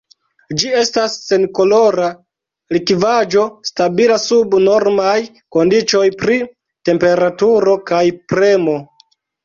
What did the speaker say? Ĝi estas senkolora likvaĵo stabila sub normaj kondiĉoj pri temperaturo kaj premo.